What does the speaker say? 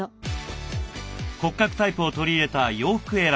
骨格タイプを取り入れた洋服選び。